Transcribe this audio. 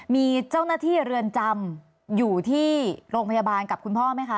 มีเจ้าหน้าที่เรือนจำอยู่ที่โรงพยาบาลกับคุณพ่อไหมคะ